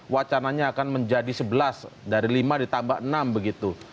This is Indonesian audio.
wacananya akan menjadi sebelas dari lima ditambah enam begitu